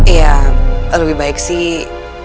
iya lebih baik sih